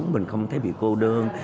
mình không thấy bị cô đơn